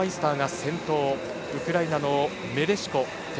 次いでウクライナのメレシコ。